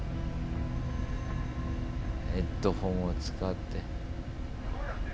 ヘッドホンを使って。